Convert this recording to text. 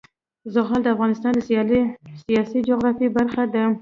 زغال د افغانستان د سیاسي جغرافیه برخه ده.